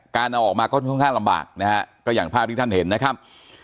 เอาออกมาก็ค่อนข้างลำบากนะฮะก็อย่างภาพที่ท่านเห็นนะครับ